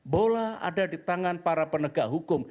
bola ada di tangan para penegak hukum